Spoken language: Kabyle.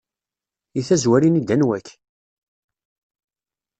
Deg tazwara ini-d anwa-k!